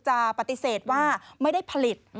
จะปฏิเสธว่าไม่ได้ผลิต